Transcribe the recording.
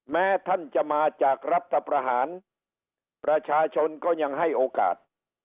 แม้ท่านจะมาจากรัฐประหารประชาชนก็ยังให้โอกาส